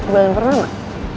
belum pernah mah